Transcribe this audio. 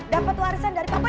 dapet warisan dari papa